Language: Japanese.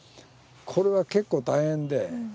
これは結構大変で。